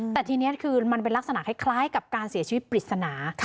แต่ทีนี้คือมันเป็นลักษณะคล้ายกับการเสียชีวิตปริศนา